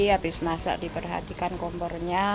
habis masak diperhatikan kompornya